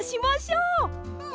うん！